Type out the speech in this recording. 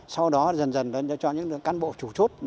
sau đó dần dần cho những cán bộ chủ chốt